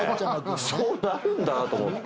そうなるんだと思って。